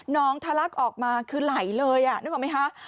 น้องทะลักออกมาคือไหลเลยอ่ะนึกออกไหมฮะ